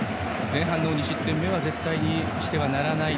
前半の２失点目は絶対にしてはならない